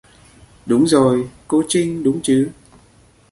Đúng rồi cô trinh đúng chứ